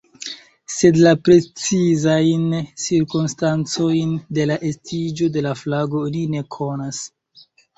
Sed la precizajn cirkonstancojn de la estiĝo de la flago oni ne konas.